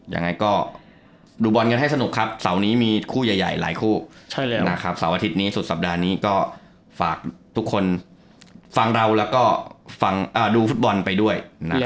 ยังไงก็ดูบอลกันให้สนุกครับเสาร์นี้มีคู่ใหญ่หลายคู่นะครับเสาร์อาทิตย์นี้สุดสัปดาห์นี้ก็ฝากทุกคนฟังเราแล้วก็ฟังดูฟุตบอลไปด้วยนะครับ